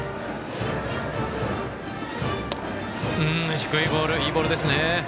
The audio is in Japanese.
低いボールいいボールですね。